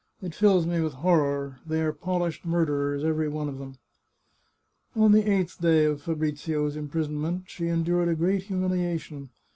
It fills me with horror ; they are polished murderers, every one of them !" On the eighth day of Fabrizio's imprisonment she en dured a great humiliation.